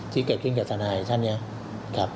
ที่เกิดขึ้นสะนายเช่นนี้ครับ